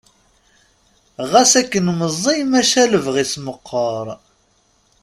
Ɣas akken meẓẓi maca lebɣi-s meqqar.